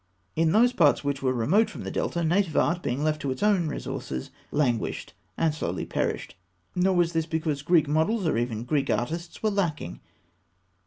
In those parts which were remote from the Delta, native art, being left to its own resources, languished, and slowly perished. Nor was this because Greek models, or even Greek artists, were lacking.